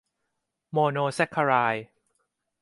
โมโนแซ็กคาไรด์